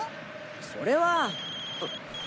それは！